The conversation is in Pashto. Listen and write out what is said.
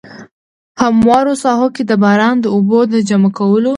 هموارو ساحو کې د باران د اوبو د جمع کولو.